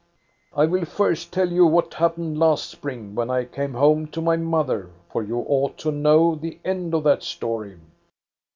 "I will first tell you what happened last spring, when I came home to my mother, for you ought to know the end of that story.